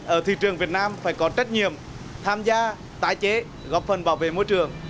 ở thị trường việt nam phải có trách nhiệm tham gia tái chế góp phần bảo vệ môi trường